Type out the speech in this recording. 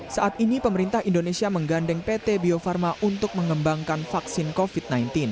saat ini pemerintah indonesia menggandeng pt bio farma untuk mengembangkan vaksin covid sembilan belas